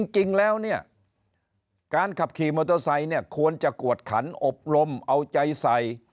จริงแล้วการขับขี่มอเตอร์ไซด์ควรจะกวดขันอบรมเอาใจใส